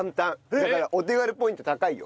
だからお手軽ポイント高いよ。